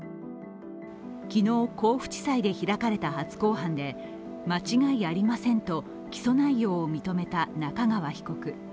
昨日、甲府地裁で開かれた初公判で間違いありませんと起訴内容を認めた仲川被告。